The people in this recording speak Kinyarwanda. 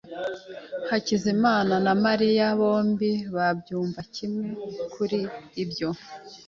Hakizimana na Mariya bombi babyumva kimwe kuri ibyo.